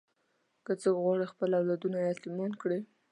که څوک غواړي خپل اولادونه یتیمان کړي.